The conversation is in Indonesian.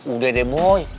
udah deh boy